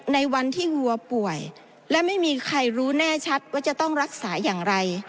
ในวันที่วัวป่วยและไม่มีใครรู้แน่ชัดว่าจะต้องรักษาอย่างไร